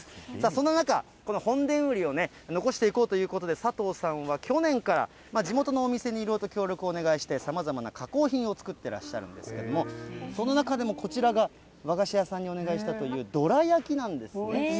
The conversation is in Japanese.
そんな中、この本田ウリをね、残していこうということで、佐藤さんは去年から、地元のお店にいろいろと協力をお願いして、さまざまな加工品を作ってらっしゃるんですけれども、その中でもこちらが、和菓子屋さんにお願いしたという、どら焼きなんですね。